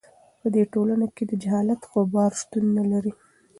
په دې ټولنه کې د جهالت غبار شتون نه لري.